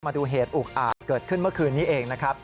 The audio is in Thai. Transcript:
มาดูเหตุอุกอาจเกิดขึ้นเมื่อคืนนี้เองนะครับ